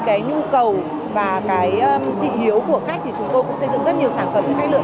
cái nhu cầu và cái thị hiếu của khách thì chúng tôi cũng xây dựng rất nhiều sản phẩm hay lựa